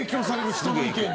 人の意見に。